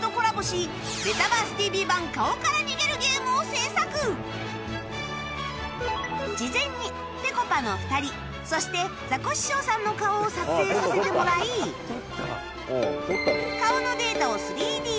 今回そんな事前にぺこぱの２人そしてザコシショウさんの顔を撮影させてもらい顔のデータを ３Ｄ 化